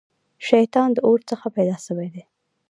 شيطان د اور څخه پيدا سوی دی